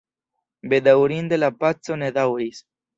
Bedaŭrinde la paco ne daŭris.